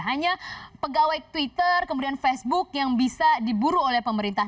hanya pegawai twitter kemudian facebook yang bisa diburu oleh pemerintah